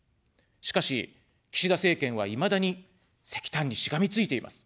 しかし、岸田政権はいまだに石炭にしがみついています。